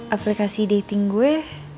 aplikasi dating gue